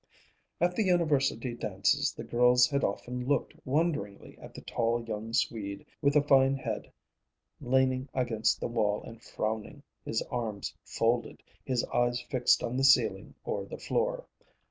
At the University dances the girls had often looked wonderingly at the tall young Swede with the fine head, leaning against the wall and frowning, his arms folded, his eyes fixed on the ceiling or the floor.